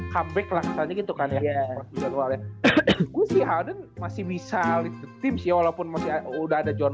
comeback lah saja gitu kan ya gue sih ada masih bisa tim si walaupun masih ada john